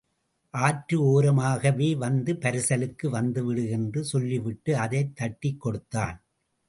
ஆற்று ஓரமாகவே வந்து பரிசலுக்கு வந்துவிடு என்று சொல்லிவிட்டு அதைத் தட்டிக் கொடுத்தான்.